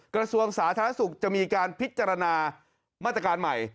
กระทรวงสาธารณสุขจะมีการพิจารณามาตรการใหม่